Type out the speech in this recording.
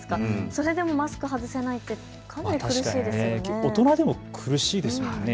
それでもマスクを外せないって苦しいですよね。